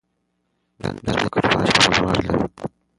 دا نوی سپیکر خورا شفاف او لوړ غږ لري.